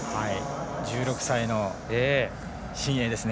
１６歳の新鋭ですね。